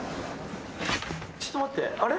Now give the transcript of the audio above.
ちょっと待ってあれ？